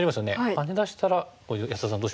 ハネ出したら安田さんどうします？